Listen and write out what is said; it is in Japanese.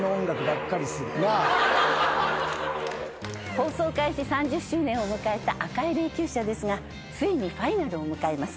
放送開始３０周年を迎えた『赤い霊柩車』ですがついにファイナルを迎えます。